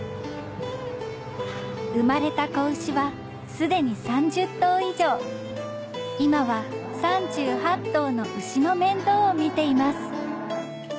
生まれた子牛は既に３０頭以上今は３８頭の牛の面倒を見ています